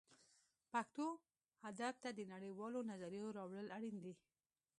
پښتو ادب ته د نړۍ والو نظریو راوړل اړین دي